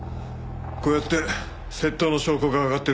こうやって窃盗の証拠が挙がってるんだ。